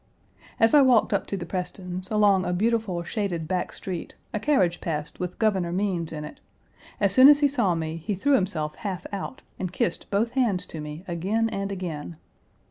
As I walked up to the Prestons', along a beautiful shaded back street, a carriage passed with Governor Means in it. As soon as he saw me he threw himself half out and kissed both hands to me again and again.